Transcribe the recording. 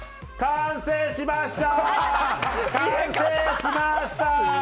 完成しました！